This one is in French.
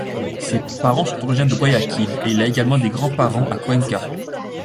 Ses parents sont originaires de Guayaquil et il a également des grands-parents à Cuenca.